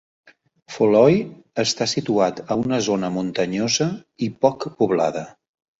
Foloi està situat a una zona muntanyosa i poc poblada.